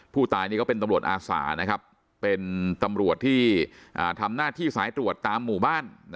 ผู้ตายนี่ก็เป็นตำรวจอาสาเป็นตำรวจที่ทำหน้าที่สายตรวจตามหมู่บ้าน